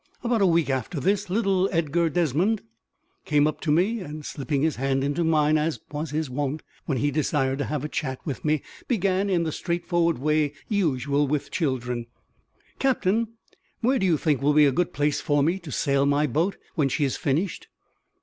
About a week after this, little Edgar Desmond came up to me and, slipping his hand into mine, as was his wont when he desired to have a chat with me, began, in the straightforward way usual with children "Captain, where do you think will be a good place for me to sail my boat, when she is finished?"